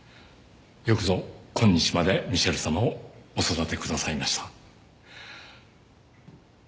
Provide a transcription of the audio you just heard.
よくぞ今日までミシェルさまをお育てくださいました。